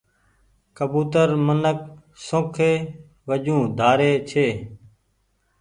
ڪبوتر منک شوکي وجون ڍاري ڇي۔